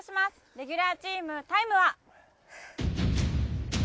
レギュラーチームタイムは。